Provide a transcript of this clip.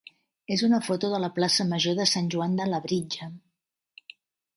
és una foto de la plaça major de Sant Joan de Labritja.